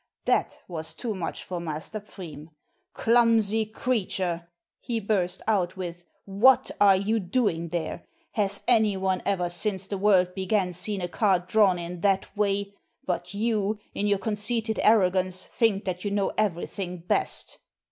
That was too much for Master Pfriem, "Clumsy creature," he burst out with, "what are you doing there? Has any one ever since the world began seen a cart drawn in that way? But you, in your conceited arrogance, think that you know everything best."